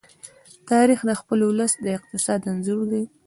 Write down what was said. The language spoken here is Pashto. تاریخ د خپل ولس د اقتصاد انځور دی.